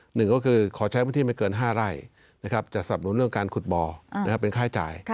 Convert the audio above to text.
หนึ่งก็คือขอใช้พื้นที่ไม่เกิน๕ไร่จะสับหนุนเรื่องการขุดบ่อเป็นค่าจ่าย